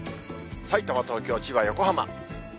さいたま、東京、千葉、横浜。